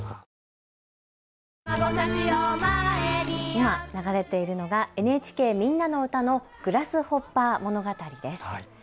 今流れているのがＮＨＫみんなのうたのグラスホッパー物語です。